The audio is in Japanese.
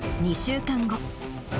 ２週間後。